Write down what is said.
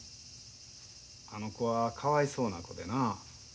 あの子はかわいそうな子でなあ。